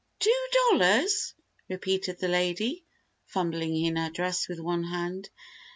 "Two dollars!" repeated the lady, fumbling in her dress with one hand.